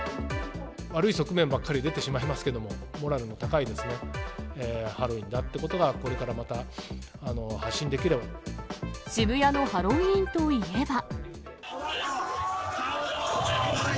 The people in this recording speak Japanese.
悪い側面ばっかり出てしまいますけれども、モラルの高いハロウィーンだということが、これからまた発信でき渋谷のハロウィーンといえば。